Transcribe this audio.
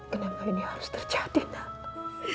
kenapa ini harus terjadi nak